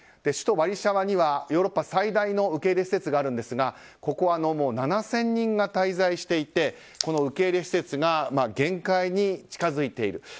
首都ワルシャワにはヨーロッパ最大の受け入れ施設があるんですがここは７０００人が滞在していて受け入れ施設が限界に近付いている。